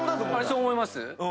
そう思います？